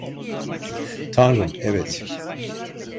Tanrım, evet!